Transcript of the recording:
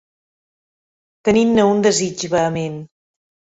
Tenint-ne un desig vehement.